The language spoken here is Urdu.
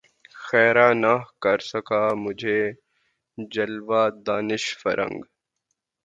خیرہ نہ کر سکا مجھے جلوۂ دانش فرنگ